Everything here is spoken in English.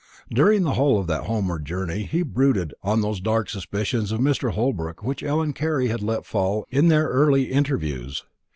During the whole of that homeward journey he brooded an those dark suspicions of Mr. Holbrook which Ellen Carley had let fall in their earlier interviews.